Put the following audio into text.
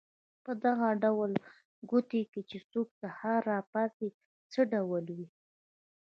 په دغه ډول کوټه کې چې څوک سهار را پاڅي څه ډول وي.